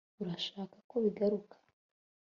urashaka ko bigaruka